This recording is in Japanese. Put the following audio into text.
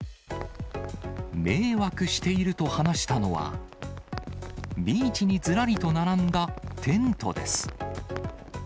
迷惑していると話したのは、ビーチにずらりと並んだテントです。